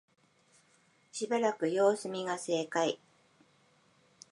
しばらく様子見が正解